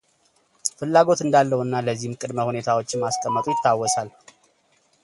ፍላጎት እንዳለውና ለዚህም ቅድመ ሁኔታዎችን ማስቀመጡ ይታወሳል።